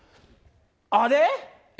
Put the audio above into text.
あれ？